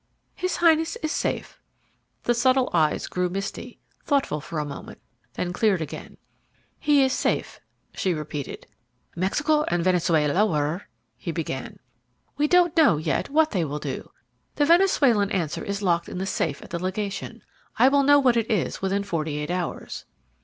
"His Highness is safe." The subtle eyes grew misty, thoughtful for a moment, then cleared again. "He is safe," she repeated. "Mexico and Venezuela were ?" he began. "We don't know, yet, what they will do. The Venezuelan answer is locked in the safe at the legation; I will know what it is within forty eight hours."